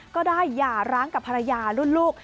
หย่าร้างกับภรรยารุ่นลูก